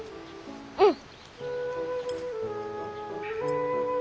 うん。